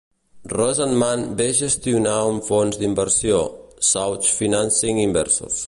Rosenman ve gestionar un fons d'inversió, Source Financing Investors.